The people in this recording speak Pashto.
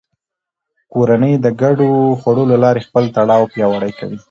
کورنۍ د ګډو خوړو له لارې خپل تړاو پیاوړی کوي